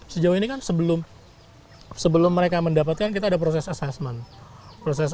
sejauh ini kan sebelum mereka mendapatkan kita ada proses assessment